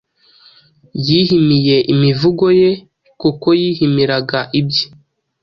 yihimiye imivugo ye, kuko yihimiraga ibye.